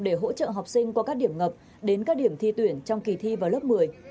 để hỗ trợ học sinh qua các điểm ngập đến các điểm thi tuyển trong kỳ thi vào lớp một mươi